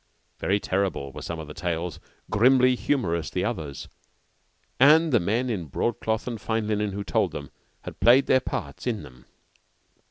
Very terrible were some of the tales, grimly humorous the others, and the men in broadcloth and fine linen who told them had played their parts in them.